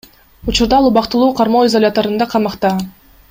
Учурда ал убактылуу кармоо изоляторунда камакта.